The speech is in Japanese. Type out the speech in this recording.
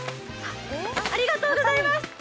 ありがとうございます。